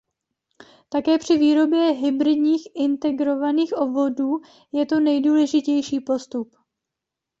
Také při výrobě hybridních integrovaných obvodů je to nejdůležitější postup.